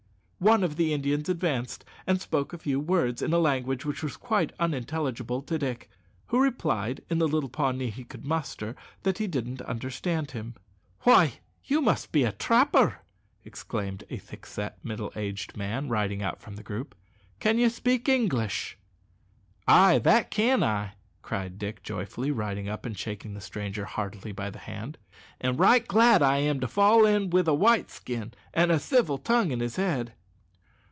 One of the Indians advanced and spoke a few words in a language which was quite unintelligible to Dick, who replied, in the little Pawnee he could muster, that he didn't understand him. "Why, you must be a trapper!" exclaimed a thick set, middle aged man, riding out from the group. "Can you speak English?" "Ay, that can I," cried Dick joyfully, riding up and shaking the stranger heartily by the hand; "an' right glad am I to fall in wi' a white skin an' a civil tongue in his head."